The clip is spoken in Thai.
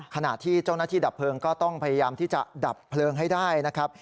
ขณะที่เจ้าหน้าที่ดับเพลิงก็ต้องพยายามที่จะดับเพลิงให้ได้นะครับ